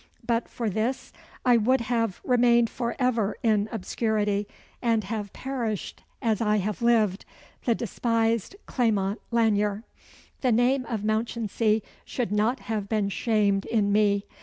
But for this, I would have remained for ever in obscurity, and have perished as I have lived the despised Clement Lanyere. The name of Mounchensey should not have been shamed in me.